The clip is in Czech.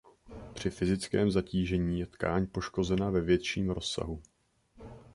Při fyzickém zatížení je tkáň poškozena ve větším rozsahu.